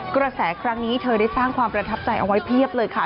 กระแสครั้งนี้เธอได้สร้างความประทับใจเอาไว้เพียบเลยค่ะ